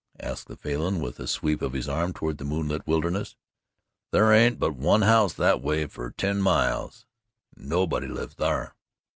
asked the Falin with a sweep of his arm toward the moonlit wilderness. "Thar ain't but one house that way fer ten miles and nobody lives thar."